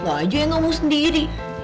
gak aja yang ngomong sendiri